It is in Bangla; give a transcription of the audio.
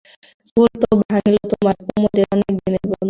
ভুল তো ভাঙিল তোমার, কুমুদের অনেকদিনের বন্ধু?